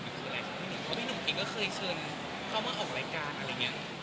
หรือว่าพี่หนุ่มถิกก็เคยเชิญเข้ามาออกรายการอะไรอย่างนี้